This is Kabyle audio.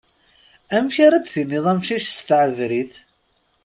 Amek ara d-tiniḍ amcic s tɛebrit?